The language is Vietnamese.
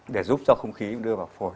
để giúp cho không khí đưa vào phổi